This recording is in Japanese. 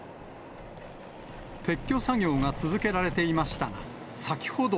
撤去作業が続けられていましたが、先ほど。